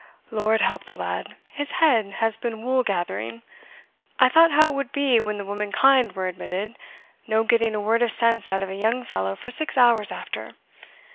"Lord help the lad, his head has been wool gathering! I thought how it would be when the womankind were admitted no getting a word of sense out of a young fellow for six hours after.